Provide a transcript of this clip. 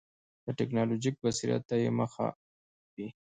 د ټکنالوژیک بصیرت ته یې مخه وي.